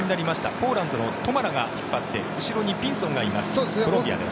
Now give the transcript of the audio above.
ポーランドのトマラが引っ張って後ろにピンソンがいますコロンビアです。